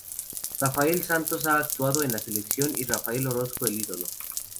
Rafael Santos ha actuado en "La selección" y "Rafael Orozco, el ídolo".